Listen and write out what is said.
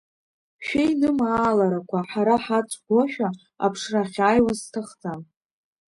Шәеинымааларақәа ҳара ҳаҵгәошәа аԥшра ахьаиуз сҭахӡам.